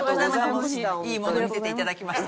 いいもの見せていただきました。